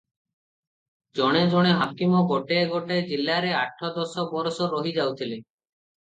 ଜଣେ ଜଣେ ହାକିମ ଗୋଟାଏ ଗୋଟାଏ ଜିଲ୍ଲାରେ ଆଠ ଦଶ ବରଷ ରହି ଯାଉଥିଲେ ।